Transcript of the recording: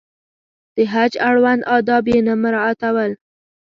د حج اړوند آداب یې نه مراعاتول.